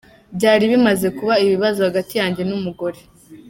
Byari bimaze kuba ikibazo hagati yanjye n’umugore.